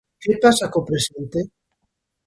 Que pasa co presente?